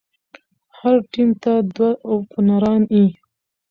هر ټيم ته دوه اوپنران يي.